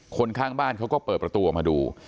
ข้างบ้านเขาก็เปิดประตูออกมาดู